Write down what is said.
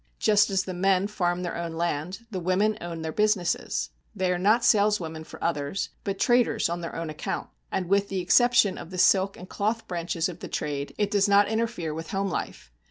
Just as the men farm their own land, the women own their businesses. They are not saleswomen for others, but traders on their own account; and with the exception of the silk and cloth branches of the trade, it does not interfere with home life.